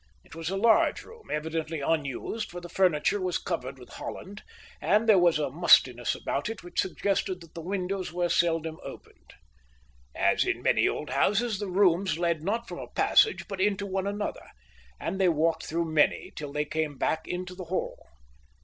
It was a large room, evidently unused, for the furniture was covered with holland, and there was a mustiness about it which suggested that the windows were seldom opened. As in many old houses, the rooms led not from a passage but into one another, and they walked through many till they came back into the hall.